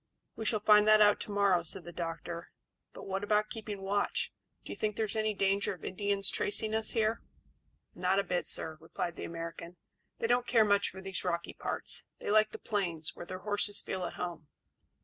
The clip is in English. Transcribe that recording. "We shall find that out to morrow," said the doctor. "But what about keeping watch? Do you think there is any danger of Indians tracing us here?" "Not a bit, sir," replied the American. "They don't care much for these rocky parts; they like the plains, where their horses feel at home."